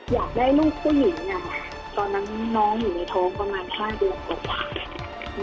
อยากได้ลูกผู้หญิงนะคะตอนนั้นน้องอยู่ในท้องประมาณ๕เดือนกว่า